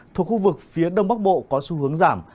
thuộc khu vực phía đông bắc bộ có xu hướng giảm